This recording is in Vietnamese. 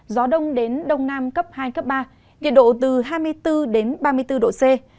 gió đông đến đông nam cấp hai cấp ba nhiệt độ từ hai mươi bốn ba mươi bốn độ c